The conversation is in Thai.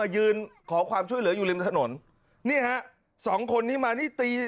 ยืนขอความช่วยเหลืออยู่ริมถนนนี่ฮะสองคนที่มานี่ตี